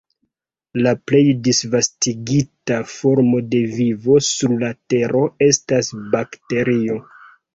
La plej disvastigita formo de vivo sur la Tero estas bakterio.